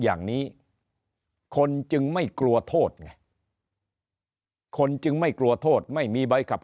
อย่างนี้คนจึงไม่กลัวโทษไงคนจึงไม่กลัวโทษไม่มีใบขับ